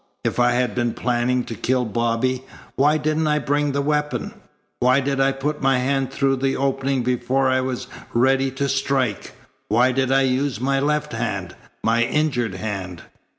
If I had been planning to kill Bobby, why didn't I bring the weapon? Why did I put my hand through the opening before I was ready to strike? Why did I use my left hand my injured hand?